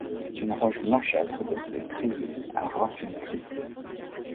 C'est une roche blanchâtre, d'aspect crayeux, à rares phénocristaux.